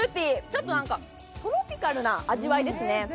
ちょっとトロピカルな味わいですね。